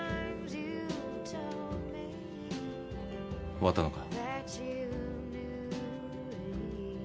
終わったのか？